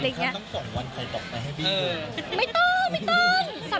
คือต้องส่งวันไข่ตกไปให้พี่ดู